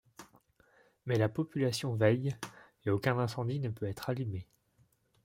Mais la population veille, et aucun incendie ne peut être allumé.